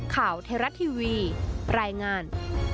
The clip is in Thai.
ข่าวเทราะทีวีรายงาน